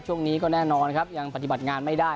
ช่วงนี้ก็แน่นอนครับยังปฏิบัติงานไม่ได้